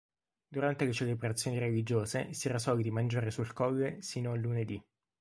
Durante le celebrazioni religiose si era soliti mangiare sul colle sino al lunedì.